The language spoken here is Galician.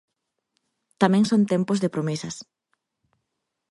Tamén son tempos de promesas.